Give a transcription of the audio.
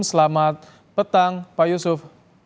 selamat petang pak yusuf